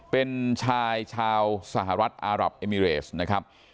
เป็นชายชาวสหรัฐอารับเอมิเรสนะครับ